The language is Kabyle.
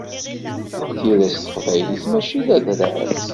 Tira s teqbaylit, mačči d adrar.